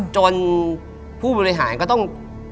ผู้บริหารก็ต้อง